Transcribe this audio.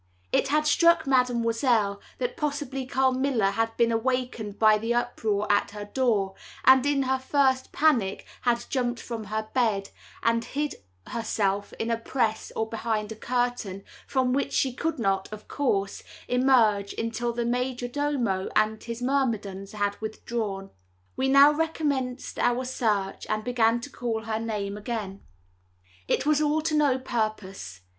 It had struck Mademoiselle that possibly Carmilla had been wakened by the uproar at her door, and in her first panic had jumped from her bed, and hid herself in a press, or behind a curtain, from which she could not, of course, emerge until the majordomo and his myrmidons had withdrawn. We now recommenced our search, and began to call her name again. It was all to no purpose.